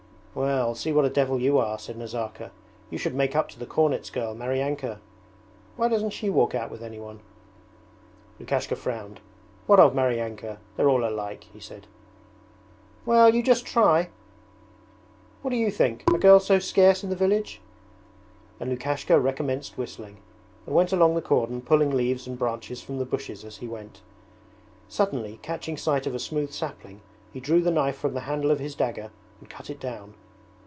'Well, see what a devil you are!' said Nazarka. 'You should make up to the cornet's girl, Maryanka. Why doesn't she walk out with any one?' Lukashka frowned. 'What of Maryanka? They're all alike,' said he. 'Well, you just try...' 'What do you think? Are girls so scarce in the village?' And Lukashka recommenced whistling, and went along the cordon pulling leaves and branches from the bushes as he went. Suddenly, catching sight of a smooth sapling, he drew the knife from the handle of his dagger and cut it down.